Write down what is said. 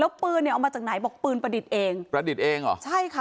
แล้วปืนเนี่ยเอามาจากไหนบอกปืนประดิษฐ์เองประดิษฐ์เองเหรอใช่ค่ะ